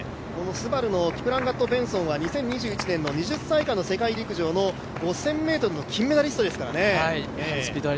ＳＵＢＡＲＵのキプランガット・ベンソンは２０２１年の２０歳以下の世界陸上の５０００ｍの金メダリストですからね。